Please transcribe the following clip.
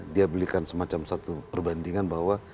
dia belikan semacam satu perbandingan bahwa